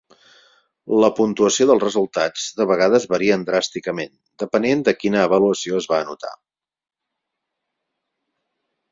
La puntuació dels resultats de vegades varien dràsticament, depenent de quina avaluació es va anotar.